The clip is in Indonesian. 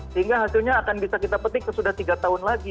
sehingga hasilnya akan bisa kita petik sudah tiga tahun lagi